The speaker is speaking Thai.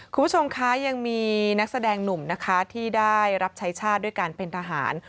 คุณผู้ชมคะยังมีนักแสดงหนุ่มนะคะที่ได้รับใช้ชาติด้วยการเป็นทหาร